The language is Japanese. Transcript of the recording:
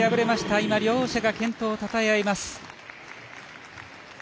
今、両者が健闘をたたえ合います。